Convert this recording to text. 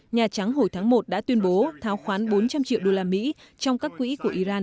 nhà trắng hồi tháng một đã tuyên bố tháo khoán bốn trăm linh triệu usd trong các quỹ của iran